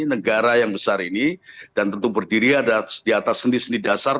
negara yang besar ini dan tentu berdiri ada di atas sendi sendi dasar